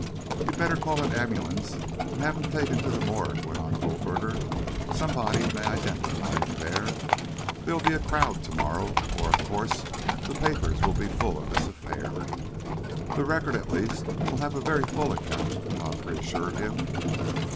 "You'd better call an ambulance and have him taken to the morgue," went on Goldberger. "Somebody may identify him there. There'll be a crowd to morrow, for, of course, the papers will be full of this affair " "The Record, at least, will have a very full account," Godfrey assured him.